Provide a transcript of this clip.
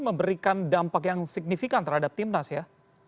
memberikan dampak yang signifikan terhadap timnas ya